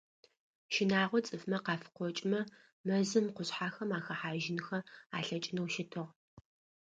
Щынагъо цӏыфхэм къафыкъокӏымэ, мэзым, къушъхьэхэм ахэхьажьынхэ алъэкӏынэу щытыгъ.